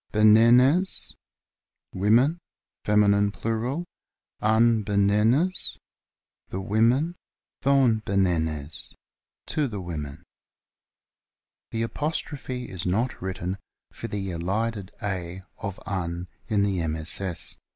Benenes, women, fern. plur. ; an benenes, the women. dhd'n benenes, to the women. The apostrophe is not written for the elided a of an in the MSS.